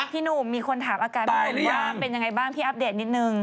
พี่หนุ่มมีคนถามอาการผมว่าเป็นยังไงบ้างพี่อัปเดตนิดนึง